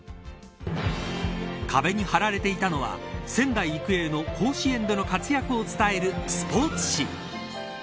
壁に貼られていたのは仙台育英の甲子園での活躍を伝えるスポーツ紙。